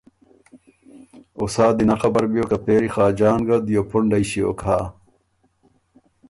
او سا دی نک خبر بیوک که پېری خاجان ګۀ دیوپُنډئ ݭیوک هۀ۔